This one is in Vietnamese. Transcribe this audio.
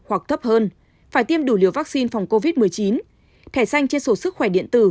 hoặc thấp hơn phải tiêm đủ liều vaccine phòng covid một mươi chín thẻ xanh trên sổ sức khỏe điện tử